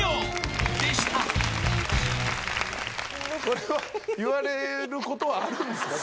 これは言われることはあるんですか？